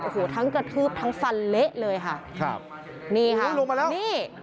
โอ้โหทั้งกระทืบทั้งฟันเละเลยค่ะครับนี่ค่ะลงมาแล้วนี่